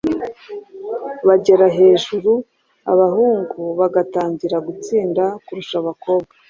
bagera hejuru abahungu bagatangira gutsinda kurusha abakobwa?